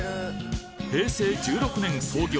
平成１６年創業